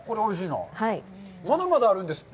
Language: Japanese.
まだまだあるんですって。